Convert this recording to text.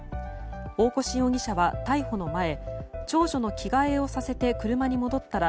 大越容疑者は逮捕の前長女の着替えをさせて車に戻ったら